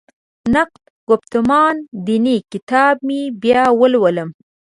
نقد ګفتمان دیني کتاب مې بیا ولولم.